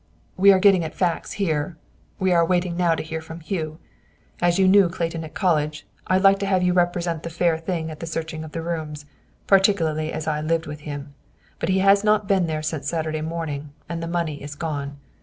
We are getting at facts here; we are awaiting now to hear from Hugh. As you knew Clayton at college, I'd like to have you represent the fair thing at the searching of the rooms, particularly as I lived with him. But he has not been there since Saturday morning, and the money is gone.